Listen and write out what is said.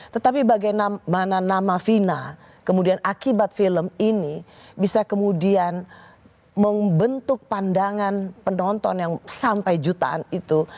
tetapi bagaimana nama vina kemudian akibat film ini bisa kemudian membentuk pandangan penonton yang sampai jutaan itu